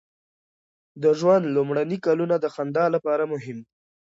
د ژوند لومړني کلونه د خندا لپاره مهم دي.